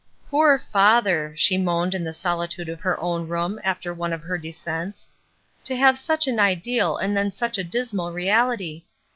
''Poor father," she moaned in the solitude of her own room after one of her descents, "to have such an ideal and then such a dismal reality!